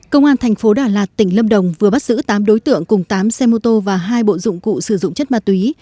công an thành phố đà lạt tỉnh lâm đồng vừa bắt giữ tám đối tượng cùng tám xe mô tô và hai bộ dụng cụ sử dụng chất ma túy